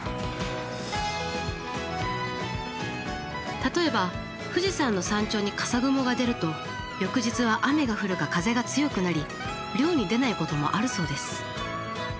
例えば富士山の山頂に笠雲が出ると翌日は雨が降るか風が強くなり漁に出ないこともあるそうです。